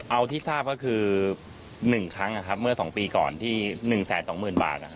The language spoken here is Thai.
เอาที่ทราบก็คือ๑ครั้งเมื่อ๒ปีก่อนที่๑๒๐๐๐บาท